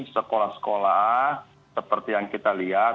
sekolah sekolah seperti yang kita lihat